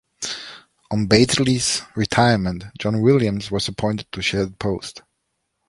On Bately's retirement, John Williams was appointed to share the post.